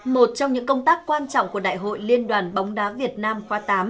một trong những công tác quan trọng của đại hội liên đoàn bóng đá việt nam khoa tám